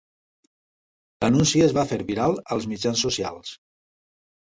L'anunci es va fer viral als mitjans socials.